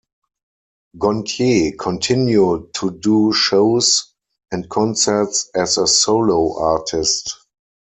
Gontier continued to do shows and concerts as a solo artist.